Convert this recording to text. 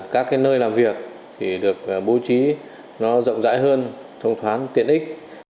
các nơi làm việc được bố trí rộng rãi hơn thông thoáng tiện ích